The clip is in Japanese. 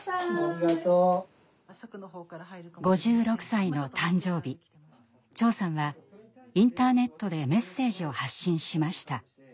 ５６歳の誕生日長さんはインターネットでメッセージを発信しました。